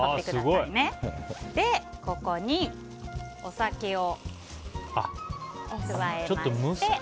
ここにお酒を加えまして。